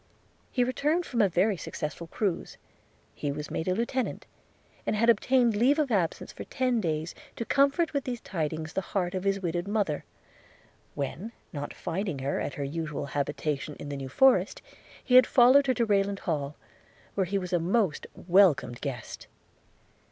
He returned from a very successful cruize; he was made a lieutenant, and had obtained leave of absence for ten days, to comfort with these tidings the heart of his widowed mother; when, not finding her at her usual habitation in the New Forest, he had followed her to Rayland Hall, where he was a most welcome guest.